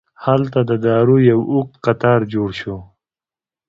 هلته د دارو یو اوږد قطار جوړ شو.